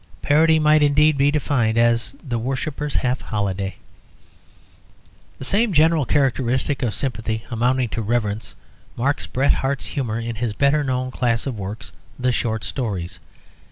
Parody might indeed be defined as the worshipper's half holiday. The same general characteristic of sympathy amounting to reverence marks Bret Harte's humour in his better known class of works, the short stories.